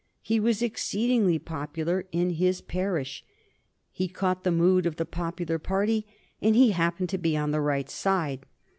He was exceedingly popular in his parish; he caught the mood of the popular party, and he happened to be on the right side.